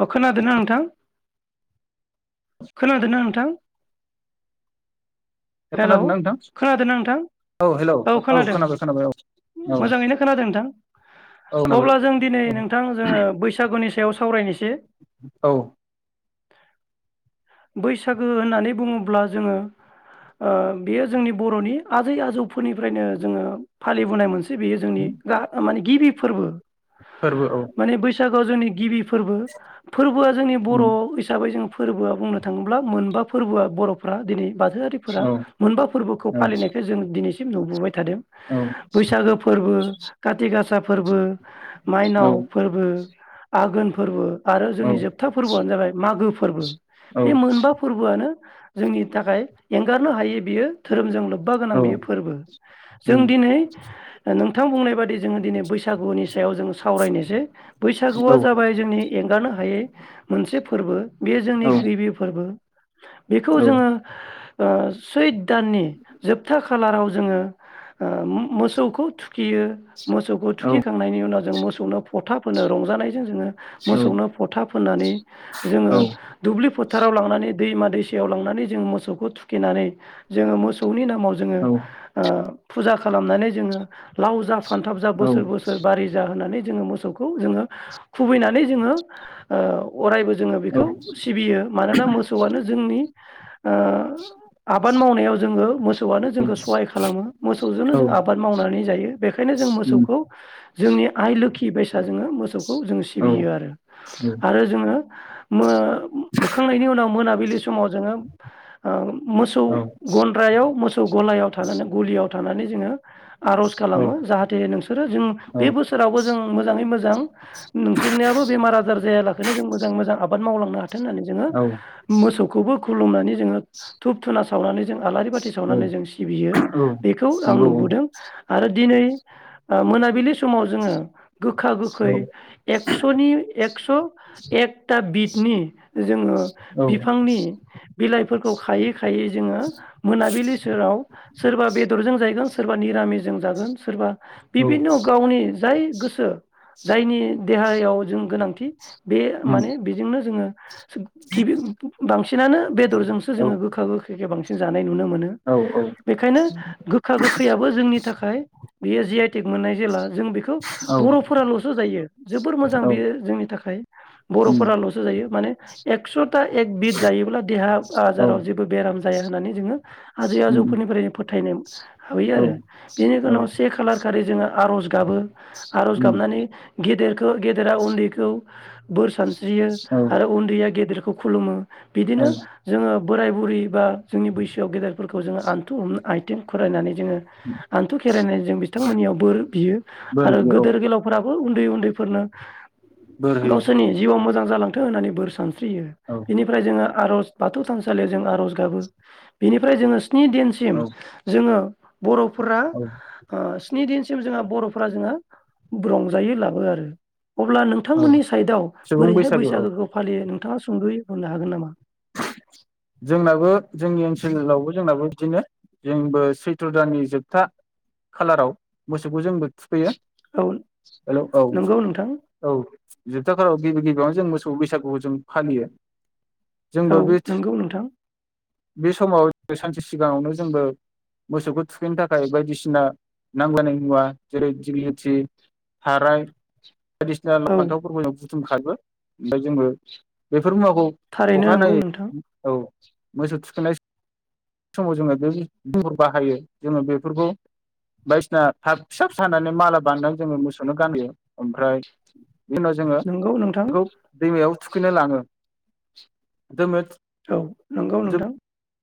अ खोनादों ना नोंथां खोनादों ना नोंथां हेलौ खोनादोंना नोंथां खोनादों ना नोंथां हेलौ औ खोनादों खोनाबाय खोनाबाय औ औ मोजाङैनो खोनादों नोंथां औ खोनाबाय अब्ला जों दिनै औ नोंथां जोङो बैसागुनि सायाव साव सावरायनोसै औ बैसागो होननानै बुङोब्ला जोङो ओ बेयो जोंनि बर'नि आजै आजौ फोरनिफ्रायनो जोङो फालिबोनाय मोनसे से बेयो जोंनि गा ओ माने गिबि फोरबो फोरबो औ थ' जोंनि गिबिफोर फोरबोआ जोंनि बर' हिसाबै जों फोरबोआ बुंनो थाङोब्ला मोनबा फोरबोआ बर'फ्रा दिनै बाथौआरिफोरा औ मोनबा फोरबोखौ औ फालिनायखौ जों दिनै सिम नुबोबाय थादों औ बैसागो फोरबो खाथि गासा फोरबो माइनाव फोरबो आघोन फोरबो आरो औ जोंनि जोबथा फोरबोआनो जाबाय मागो फोरबो औ बे मोनबा फोरबोआनो जोंनि थाखाय एंगारनो हायि बियो धोरोमजों लो बबा औ गोनां बेयो फोरबो औ जों दिनै नोंथां बुंनाय बादि जोङो दिनै बैसागुनि सायाव जोङो सावरायनोसै बैसागुआ जाबाय जोंनि एंगारनो हायै मोनसे फोरबो बे जोंनि गिबि फोरबो [unintelligible] बेखौ जोङो ओ सैद दाननि जोबथा खालाराव जोङो ओ मोसौखौ थुखै यो मोसौखौ औ थुखिखांनायनि उनाव जों मो सौनो फथा फोनो रंजानायजों जोङो औ मोसौनो फथा फोननानै जोङो नंगौ दुब्लि फोथाराव लांनानै दैमा दैसायाव लांनानै जों मोसौखौ थुखिनानै जोङो मोसौनि नाम माव जोङो औ आ फुजा खालामनानै जोङो लाव जा फानथाब जा बोसोर बोसोर बारि जा होननानै जोंङो मोसौखौ जोङो खुबैना नै जोंङो ओ अरायबो जोङो बेखौ औ सिबियो मानोना मोसौआनो जोंनि ओ आबाद मावनायाव जोङो मोसौआनो जोंखौ सहाय खालामो मोसौजोंनो जों आबाद मावनानै जायो बेखायनो जों औ मोसौखौ जोंनि आइ लोखि बाय फुजा जोङो मोसौखौ जों सि बियो आरो आरो जोङो मो होखांनायनि उनाव मोनाबिलि समाव जोङो ओ मोसौ गन्द्रायाव मोसौ गलायाव थानानै गलियाव थानानै जोङो आर'ज खालामो जाहाथे नोंसोरो जों बे औ बोसोरावबो जों मोजाङै मोजां इसोरनियाबो बेमार आजार जायालाखैनो जों मोजाङै मोजां आबाद मावलांनो हाथों होननानै जोङो मोसौखौबो खुलुमनानै धुब धुना सावनानै जों आलारि बाथि सावनानै जों सिबियो बेखौ आं नुबोदों आरो दिनै ओ मोनाबिलि समाव जोङो गोखा गोखै एकसनि एकस एकथा बिदनि जोङो बिफांनि बिलाइ फोरखौ खायो खायो जोङो मोनाबिलि सेराव सोरबा बेदरजों जायगोन सोरबा निरामिसजों जागोन सोरबा बिभिनन' गावनि जाय गोसो जायनि देहायाव जों गोनांथि थि बे माने बेजोंनो जोङो गिबि बांसिनानो बेदरजोंसो जोङो गोखा गोखै बांसिन नाय नुनो मोनो बेनिखायनो गोखा गोखैयाबो जोंनि थाखाय बेयो जि आइ तेक मोननाय जेला जों बेखौ बरफोरालसो जायो जोबोर मोजां बेयो जोंनि थाखाय बर'फोरालसो जायो माने एक्स ता एक बिद जायोब्ला देहा औ आजाराव जेबो बेराम जा जाया होननानै जोङो आजै आजौफोरनिफ्राय फोथायनो हाबायो औ औ आरो बेनि औ उनाव से खालार खालि जोङो आर'ज गाबो आर'ज उम गाबनानै देर गेदेरा उन्दैखौ बोर सानस्रियो औ आरो उन्दैया गेदेरखौ खुलुमो औ बिदिनो जोङो बोराय बुरै बा जोंनि बैसोआव गेदेरफोरखौ जोङो आन्थु हमनो आइथिं खरायनानै जोङो आनथु खेरायनाय जों बिथांमोननियाव बोर बियो बोर आरो बियो औ गोदोर गोलावफोरा औ उन्दै उन्दैफोरनो बोर होयो गावसोरनि जिउआव मोजां जालां थों होननानै बोर सानस स्रियो औ बिनिफ्राय जोङो आर'ज बाथौ थानसालियाव जों आर'ज गाबो बिनिफ्राय जोङो स्नि औ दिनसिम जोङो बर'फोरा औ स्नि दिनसिम जोंहा बर'फोरा जोंङो रंजायो ला थाबो आरो अब्ला औ नोंथांमोननि साइदआव सुबुं बोरैहाय बैसागु औ बैसागुखौ फालियो नों थाङा सुंदयै बुंनो हागोन नामा जोंनाबो जोंनि ओनसोलावबो जोंनाबो बिदिनो जोंबो सैथ्र' दाननि जोबथा खालाराव मोसौखौ जोंबो थु खैयो औ हेल' औ नंगौ नोंथां औ जोबथा खालाराव गिबि गिबियावनो जों मोसौ बैसागुखौ जों फालियो जोंबो बे नोंगौ नोंथां बे समाव सानसे सिगाङावनो जोंबो मोसौखौ थुखैनो थाखाय बायदिसिना नांलायनाय मुवा जेरै दिगलिथि थाराय बायदिसिना लाव औ फानथाव फोरबो बुथुम [unintelligible] ओमफाय जोंबो बे फोर मुवाखौ थारैनो नंगौ अखानायै नोंथां औ मोसौ थुखैनाय समाव जोङो बे [unintelligible] बाहायो जोङो बेफोरखौ बायदिसिना थाब फिसा फिसा हानानै माला बानायनानै जोङो मोसौनो गानहोयो ओमफ्राय बिनि उनाव जोङो नंगौ नोंथां बेखौ दैमायाव थुखैनो लाङो जोङो औ नंगौ नोंथां औ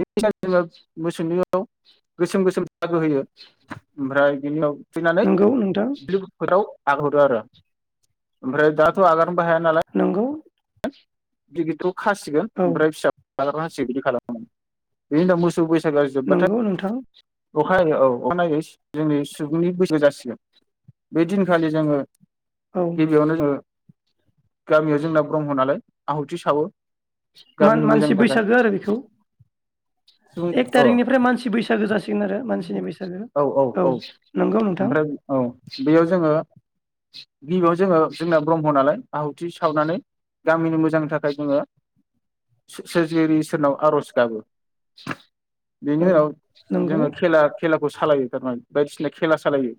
बेनिफ्राय जोङो मोसौनियाव गोसोम गोसोम दागो होयो ओमफ्राय बेनियाव थुखैनानै नंगौ नोंथां [unintelligible] फोथाराव आगार हरो आरो ओमफ्राय दा दाथ' हागारनोबो हाया नालाय नंगौ [unintelligible] खासिगोन औ ओमफ्राय फिसा आगारना हसिगोन बिदि खालामो मोन बिनि उनाव मोसौ बै नंगौ नोंथां अखा नायै औ अखानायै जोंनि सुबुंनि बैसागु जासिगोन बे दिनखालि जोङो औ गिबियावनो जोंङो गामियाव जोंना ब्रह्म नालाय आहुथि सावो गामिनि मोजांनि थाखाय [unintelligible] आरो बिखौ सुबुं एक अ थारिकनिफ्राय मानसि बैसागो जासि आरो मानसिनि बैसा औ औ औ ओमफ्राय औ बेयाव जोङो गिबियाव जोङो जोंना ब्रह्म नालाय आहुथि सावनानै गामिनि मोजांनि थाखाय जोङो सो- सो-सोरजिगिरि इसोरनाव आर'ज गाबो बेनि औ उनाव नंगौ जोङो खेला खेला खौ सालायो थारमाने बायदिसिना खेला सालायो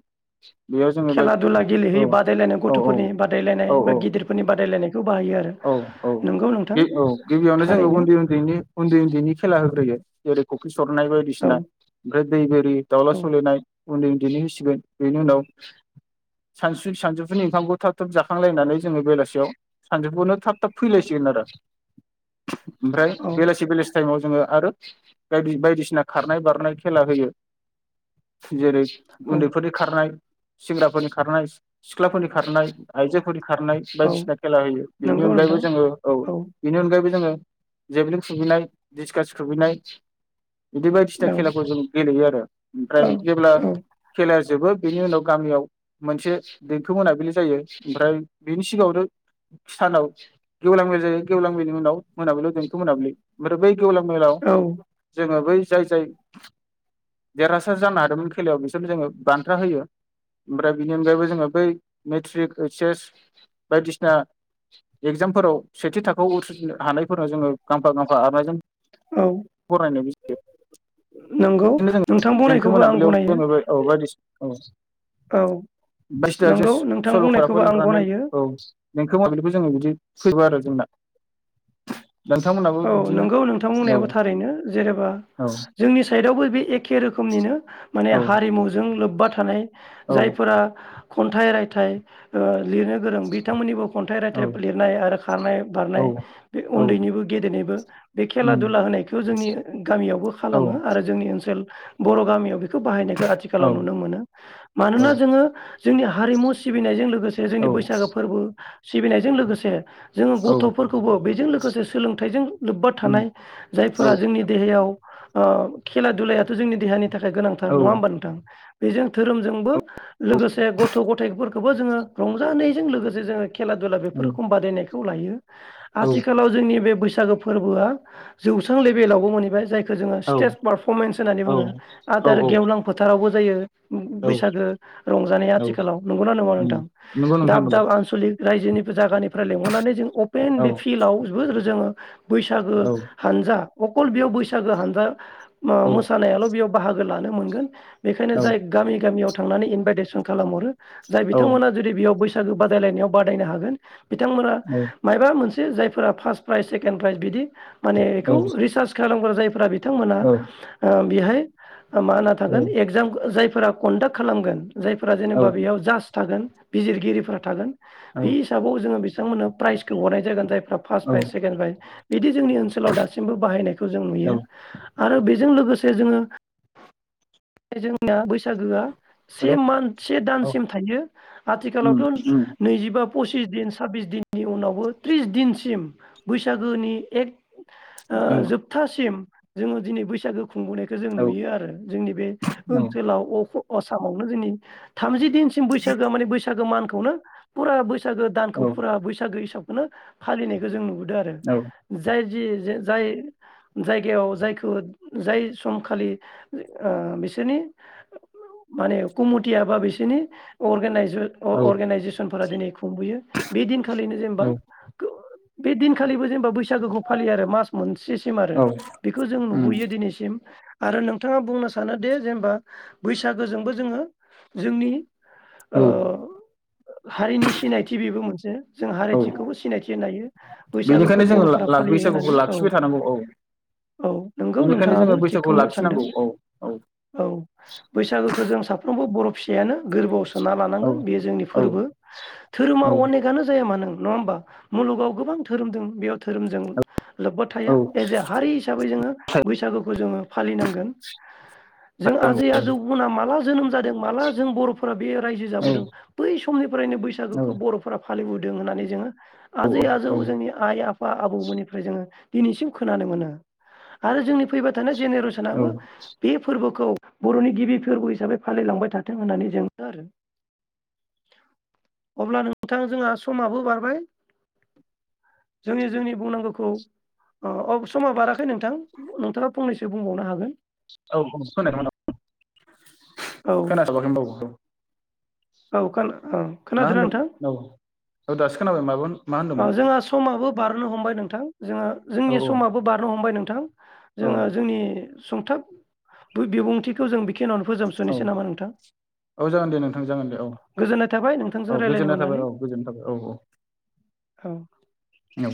बेयाव जोङो खेला दुला औ गेलेहैयो बादायलायनाय औ गथ'फोरनि बादायलायनाय औ औ बा गिदिरफोरनि बादायलायनाय औ औ ओ औ गिबियावनो जोङो थारैनो उन्दै उन्दैनि उन्दै उन्दैनि खेला होग्रोयो जेरै [unintelligible] सरनाय औ बायदिसिना ओमफ्राय दै बोरि दाउला औ सौलायनाय उन्दै उन्दैनि होसिगोन बेनि उनाव सानसु सानजौफुनि ओंखामखौ थाब थाब जाखांलायनानै जोङो बेलासियाव सानजौफुनो थाब थाब फैलायसिगोन आरो ओमफ्राय औ बेलासि बेलासि टाइमाव जोङो आरो बायदिसिना खारनाय बारनाय खेला होयो जेरै औ उन्दैफोरनि खारनाय सेंग्राफोरनि खारनाय सिख्लाफोरनि खारनाय औ आइजोफोरनि खारनाय औ बायदिसिना खेला होयो बेनि नंगौ अनगायैबो नोंथां जोङो औ बिनि अन जोङो जेबलि खुबैनाय डिसकास खुबैनाय बिदि बायदिसिना औ खेलाखौ जों गेलेयो आरो ओमफ्राय औ जेब्ला औ खेलाया जोबो बेनि उनाव गामियाव मोनसे देंखो मोनाबिलि जायो ओमफ्राय बेनि सिगाङावनो सानाव गेवलां मेल जायो गेवलां मेलनि उनाव मोनाबिलियाव देंखौ मोनाबिलि ओमफ्राय बै गेवलां मेलाव औ जोङो बै जाय जाय देरहासार जानो हादोंमोन खेलायाव बिसोरनो जोङो बान्था होयो ओमफ्राय बिनि अनगायैबो जोङो बै मेट्रिक ओइस एस बायदिसिना एगजामफोराव सेथि थाखोआव उथ्रिनो हानायफोराव जोङो गांफा गांफा आर'नाइ औ फरायनायनि नंगौ [unintelligible] जो नोंथां देंखो बुंनायखौबो आं मोनाबिलियावबो गनायो जोङो औ बायदिसिना औ औ बायसिना जों नंगौ नोंथां सल' बुंनायखौबो [unintelligible] आं लिनानै गनायो औ बो जोङो बिदि फै [unintelligible] आरो जोंना नोंथांमोनहाबो औ बिदिनो नंगौ औ नोंथांमोननायाबो थारैनो जेनेबा औ जोंनि साइडआवबो बे एखे रोखोमनिनो माने औ हारिमुजों लोब्बा था थानाय जायफोरा खन्थाइ रायथाइ ओ लिरनो गोरों बिथांमोननि खन्थाइ औ रायथाइ लिरनाय आरो खारनाय औ बारनाय बे औ उन्दैनिबो गेदेनायबो बे खेला उम दुला होनायखौ जोंनि गामियावबो औ खालामो आरो जोंनि ओनसोल बर' गामिआव बेखौ बाहायनायखौ औ आथिखालाव नुनो मोनो औ मानोना जोङो जोंनि हारिमु सिबिनायजों लोग गोसे जोंनि औ बैसागो फोरबो सिबिनायजों लोगोसे जों गथ'फोरखौबो बेजों लोगोसे सोलों बेजों लोब्बा उम थानाय औ जायफोरा जोंनि देहायाव ओ खेला दुलायथ' जोंनि देहानि थाखाय गोनांथार औ नङा होमबा नोंथां बेजों धोरोमजोंबो लोगोसे गथ' गथायाइफोरखौबो जोङो रंजानि जों लोगोसे जोङो खेला दुला बेफोर औ रोखोम बादायनाय खौ लायो आथिखालाव जोंनि बे बैस सागो फोरबोआ जौस्रां लेभेलावबो मोनहबाय जाय खौ जोङो स्टेज पारफरमेन्स होननानै बुङो औ आदार गेवलां फोथारावबो जायो औ बैसागो रंजानाया औ आथिखालाव नंगौना नङा उम नोंथां नंगौ नोंथां दाब नंगौ दाब आनसलिक रायजोनिबो जागानि फ्राय लिंहरनानै जों अपेन औ बे फिल्डआव बो जोङो बैसागो औ हानजा अकल बेयाव बैसागो हानजा म औ मोसानायाल' बेयाव बाहागो लानो मोनगोन बेखायनो औ जाय गामि गामियाव थांनानै इनभाइटेसन खालामहरो जाय औ बिथांमोना जुदि बेयाव बैसा सागो बादायलायनायाव बादायनो हागोन बिथांमोना औ मायबा मोन से जायफोरा फास प्राइज सेकेन्ड प्राइज बिदि माने औ इखौ रिसार्च खालामग्रा जायफोरा बि बिथांमोना ओम बिहाय मा होनना थागोन एगजाम जायफोरा कन्दाक खालामगोन जायफोरा औ जेनेबा बेयाव जास थागोन बिजिरगिरिफोरा थागोन बि हिसाबाव जोङो बिस थांमोननो प्राइजखौ हरनाय जागोन जाय फ्रा फास फायस सेकेन ब्राइ बिदि जोंनि ओनसोलाव दासिमबो बाहायनायखौ जों नुयो औ आरो बेजों लोगोसे जोङो बे जोंनिया बैसागोआ से हेल' मान से औ दानसिम थायो। उम आथिखालावथ उम नैजिबा फसिस दिन साब्बिस दिननि उनावबो त्रिस दिनसिम बैसागोनि एक ओ जोबथासिम जोङो दिनै बैसागो खुंबोनायखौ जों औ नुयो आरो। जोंनि बे ओनसोलाव अ आसामावनो दिनै थामजि दिन सिम बैसागो माने बैसागो मानखौ खौनो फुरा बै सागो दानखौ फुरा बैसागो हिसाब नो फालिनायखौ जों नुबोदो। जाय जाय जायगायाव जायखौ जाय सम खालि ओ बिसोरनि माने कमिटिया बा बिसोरनि अरगेनायजे जो औ अर्गेनाइजेसनफोरा दिनै खुंबोयो। बे दिन खालिनो जेनेबा बेदिन खालिबोल जेनेबा बैस बैसागुखौ फालियो आरो मास मोनसेसिम आरो औ बेखौ जों उम नुबोयो दिनैसिम। आरो नोंथाङा बुंनो सानोदिे जेनेबा बैसागोजोंबो जोङो जोंनि औ ओ हारिनि सिनायथि बेबो मोनसे जों औ हारिथिखौबो सिनायथि होनो हायो। बैसागुखौ बेनिखायनो जोङो बर'फोरा ला फालियो बैसागुखौ होननानै औ लाखिबाय थानांगौ औ औ नंगौ बेनिखायनो नोंथाङाबो जोङो बैसागुखौ थिगखौनो सानदों लाखिनांगौ औ औ औ बैसागोखो जों साफ्रो मबो बर' फिसायानो गोरबोआव स सुना औ लानांगोन बेयो जोंनि फोरबो धोरोमा औ अनेकानो जाया मानो नङा होमबा मुलुगाव गोबां धोरोम दों बेयाव धोरोमजों लोब्बा औ थाया एस ए हारि हिसाबै जोङो बैसागुखौ जोङो फालिनांगोन। जों आजै आजौ मोना माला जोनोम जादों माला जों बर'फोरा बे रायजो जाबोदों बै समनिफ्रायनो बैसागोखौ बर'फोरा फालिबोदों होननानै जोङो आजै आजौ जोंनि आइ आफा आबौमोननिफ्राय जोङो दिनैसिम खोनानो मोनो आरो जोंनि फैबाय थानाय औ जेनेरेसनाबो बे फोरबो खौ बर'नि गिबि फोरबो हिसाबै फालिलांबाय थाथों होननानै जों आरो अब्ला नोंथां जोंहा समाबो बारबाय। जोंनि जोंनि बुंनांगोखौ अ समा बाराखै नोंथां नोंथाङा फंनैसो बुंबावनो हागोन। औ औ खोनाखैमोन औ खोनासाबाखै [unintelligible] औ खाना मा होनदों औ औ दासो खोनाबाय माबा मा होनदोंमोन? ओ जोंहा समाबो बारनो हमबाय नोंथां। जोङो औ जोंनि समाबो बारनो हमबाय नों थां औ जोङो जोंनि सुंथाब बो बिबुंथिखौ जों बि किनाव'नो औ फोजोबसुनोसै नामा नोंथां। औ जागोन दे नोंथां जागोन दे औ गोजोननाय थाबाय नोंथांजों औ रायज्लायनो गोजोननाय थाबाय मोननानै औ गोजोननाय थाबाय औ औ औ औ।